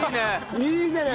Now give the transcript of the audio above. いいじゃない！